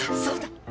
そうだ！